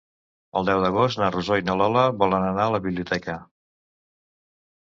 El deu d'agost na Rosó i na Lola volen anar a la biblioteca.